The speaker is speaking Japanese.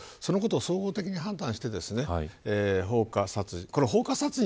総合的に判断して、放火殺人。